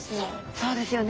そうですよね。